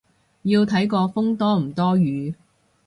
要睇個風多唔多雨